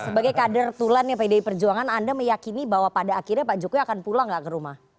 sebagai kader tulannya pdi perjuangan anda meyakini bahwa pada akhirnya pak jokowi akan pulang gak ke rumah